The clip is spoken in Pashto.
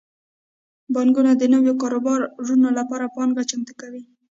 بانکونه د نویو کاروبارونو لپاره پانګه چمتو کوي.